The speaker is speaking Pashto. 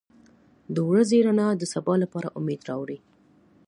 • د ورځې رڼا د سبا لپاره امید راوړي.